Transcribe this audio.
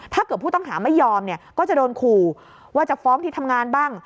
ถ้าเกิดผู้ต้องหาไม่ยอมเนี่ยก็จะโดนขู่ว่าจะฟ้องที่ทำงานบ้าง